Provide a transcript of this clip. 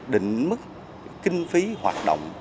định mức kinh phí hoạt động